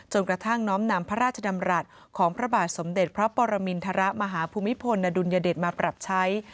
กระทั่งน้อมนำพระราชดำรัฐของพระบาทสมเด็จพระปรมินทรมาฮภูมิพลอดุลยเดชมาปรับใช้